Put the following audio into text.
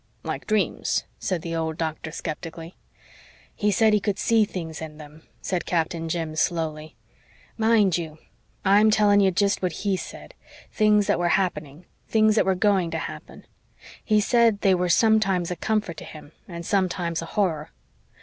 "Like dreams," said the old Doctor skeptically. "He said he could see things in them," said Captain Jim slowly. "Mind you, I'm telling you jest what HE said things that were happening things that were GOING to happen. He said they were sometimes a comfort to him and sometimes a horror.